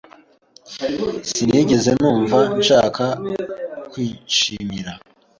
Sinigeze numva nshaka kwishimira.